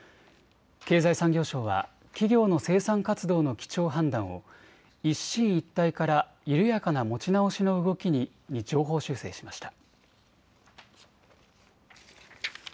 経済産業省は企業の生産活動の基調判断を一進一退から緩やかな持ち直しの動きに上方修正しました。